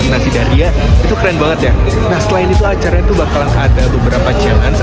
nasi daria itu keren banget ya nah selain itu acara itu bakalan ada beberapa challenge